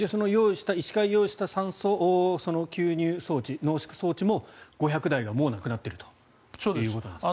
医師会が用意した酸素吸入装置、濃縮装置も５００台がもうなくなっているということなんですね。